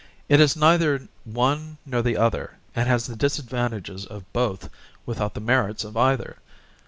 It is neither one nor the other and has the disadvantages of both without the merits of either.